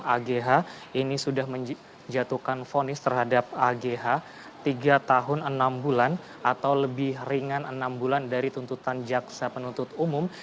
agh ini sudah menjatuhkan fonis terhadap agh tiga tahun enam bulan atau lebih ringan enam bulan dari tuntutan jaksa penuntut umum